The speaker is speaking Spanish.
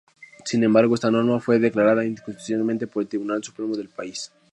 Sin embargo, esta norma fue declarada inconstitucional por el Tribunal Supremo del país.